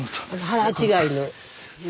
腹違いの。